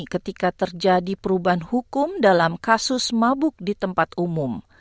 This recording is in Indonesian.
ketika terjadi perubahan hukum dalam kasus mabuk di tempat umum